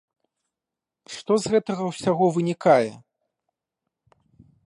Што з гэтага ўсяго вынікае?